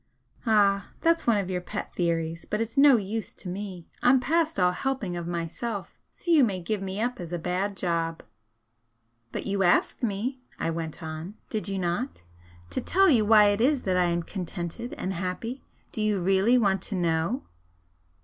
"Ah, that's one of your pet theories, but it's no use to me! I'm past all helping of myself, so you may give me up as a bad job!" "But you asked me," I went on "did you not, to tell you why it is that I am contented and happy? Do you really want to know?"